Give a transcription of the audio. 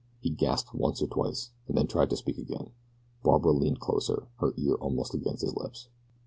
He gasped once or twice, and then tried to speak again. Barbara leaned closer, her ear almost against his lips.